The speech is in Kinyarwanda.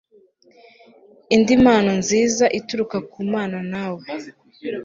indi mpano nziza ituruka ku mana nawe